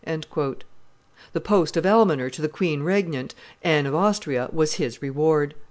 The post of almoner to the queen regnant, Anne of Austria, was his reward.